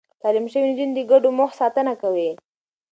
تعليم شوې نجونې د ګډو موخو ساتنه کوي.